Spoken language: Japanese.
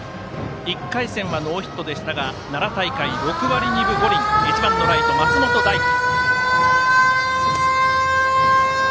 １回戦はノーヒットでしたが奈良大会、６割２分５厘１番のライト、松本大輝。